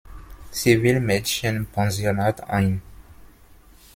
Civil-Mädchen-Pensionat ein.